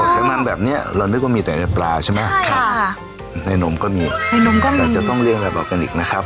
ใช้มันแบบนี้เราเรียกว่ามีแต่ในปลาใช่ไหมในนมก็มีแต่จะต้องเลี้ยงแบบออร์แกนิคนะครับ